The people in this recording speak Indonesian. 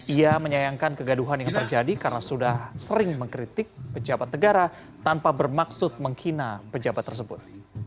ia menyayangkan kegaduhan yang terjadi karena sudah sering mengkritik pejabat negara tanpa bermaksud menghina pejabat tersebut